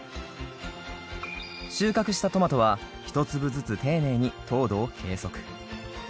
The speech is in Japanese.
収穫したトマトは１粒ずつ丁寧に糖度を計測。